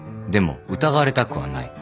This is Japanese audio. でも疑われたくはない。